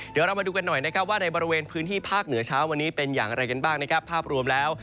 เดี๋ยวเราคนดูกันหน่วนในบริเวณพื้นที่ภาคเหนือเป็นอย่างไรกันบ้างภาพรวมแล้ว